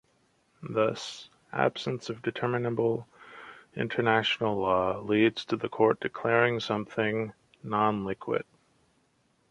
Thus, absence of determinable international law leads to the court declaring something "non liquet".